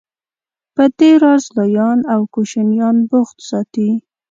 په دې راز لویان او کوشنیان بوخت ساتي.